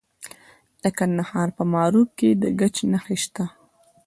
د کندهار په معروف کې د ګچ نښې شته.